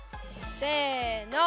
せの。